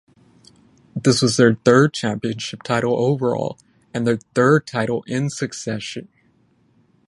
This was their third championship title overall and their third title in succession.